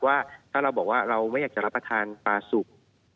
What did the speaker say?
ว่าถ้าเราบอกว่าเราไม่อยากจะรับประทานปลาสุก